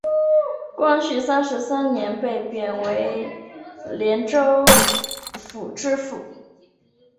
光绪三十三年被贬为廉州府知府。